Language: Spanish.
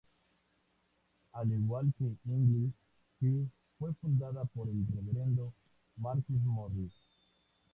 Al igual que "Eagle", "Girl "fue fundada por el reverendo Marcus Morris.